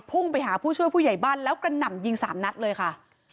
พุ่งไปหาผู้ช่วยผู้ใหญ่บ้านแล้วกระหน่ำยิงสามนัดเลยค่ะ